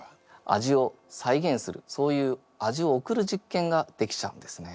味を再現するそういう味を送る実験ができちゃうんですね。